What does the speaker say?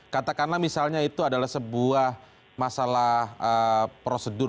katakanlah misalnya itu adalah sebuah masalah prosedur